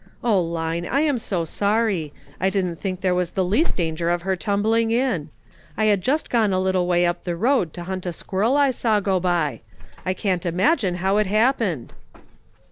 O, Line ! I am so sorry. I didn't think there was the least danger of her tumbling in. I had just gone a little way up the road to hunt a squirrel I saw go by. I can't imagine how it happened."